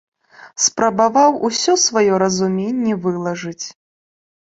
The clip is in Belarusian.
Спрабаваў усё сваё разуменне вылажыць.